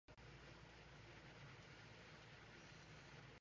The town was originally named Welshtown, because it was settled by the Welsh.